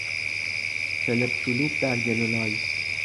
چلپ چلوپ در گل و لای